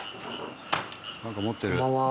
なんか持ってる。